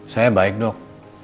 saya baik dok